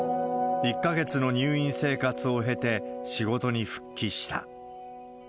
１か月の入院生活を経て、仕事に復帰した。